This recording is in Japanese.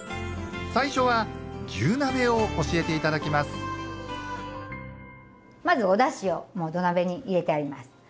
最初は牛鍋を教えていただきます。